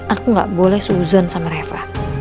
aku gak boleh sehuzon sama reva